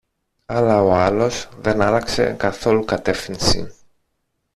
Αλλά ο άλλος δεν άλλαξε καθόλου κατεύθυνση